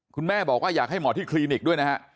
คุณแม่บอกว่าอยากให้หมอที่คลินิกด้วยนะฮะ